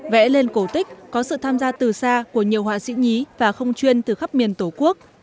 vẽ lên cổ tích có sự tham gia từ xa của nhiều họa sĩ nhí và không chuyên từ khắp miền tổ quốc